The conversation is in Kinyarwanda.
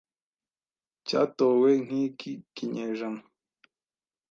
cyatowe nk'iki kinyejana